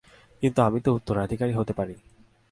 কিন্তু আমি তো উত্তরাধিকারী হতে পারি।